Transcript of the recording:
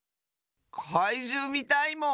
かいじゅうみたいもん！